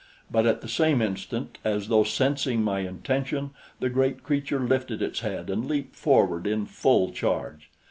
But at the same instant, as though sensing my intention, the great creature lifted its head and leaped forward in full charge.